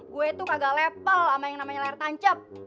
gue tuh kagak level sama yang namanya layar tancap